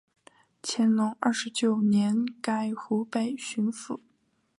乾隆二十九年改湖北巡抚。